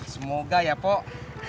semoga ya pok